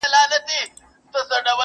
په عزت به یادېدی په قبیله کي،